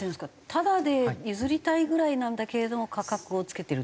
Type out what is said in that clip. タダで譲りたいぐらいなんだけれども価格をつけてる？